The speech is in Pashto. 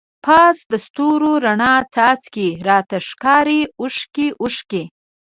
پاس دستورو راڼه څاڅکی، راته ښکاری اوښکی اوښکی